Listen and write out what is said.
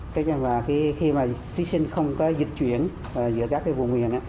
cái khi mà thí sinh không có dịch chuyển giữa các vùng miền